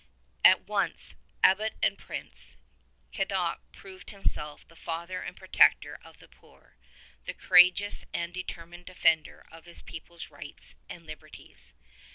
At once abbot and prince, Cadoc proved himself the father and protector of the poor, the courageous and de termined defender of his people's rights and liberties.